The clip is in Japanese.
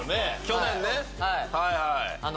去年ね。